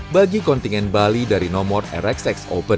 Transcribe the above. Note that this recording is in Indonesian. bagi kontingen bali dari nomor rxx open